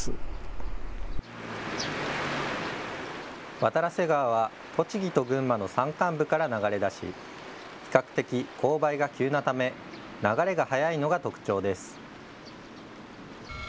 渡良瀬川は栃木と群馬の山間部から流れ出し比較的、勾配が急なため流れが早いのが特徴です。